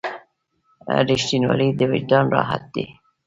• رښتینولی د وجدان راحت دی.